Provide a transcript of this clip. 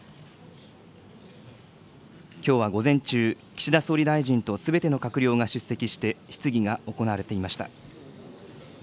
きょうは午前中、岸田総理大臣とすべての閣僚が出席して質疑が行われていました。